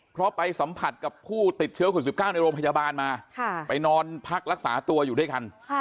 เพราะไปสัมผัสกับผู้ติดเชื้อคน๑๙ในโรงพยาบาลมาไปนอนพักรักษาตัวอยู่ด้วยกัน